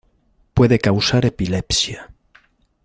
Puede causar epilepsia.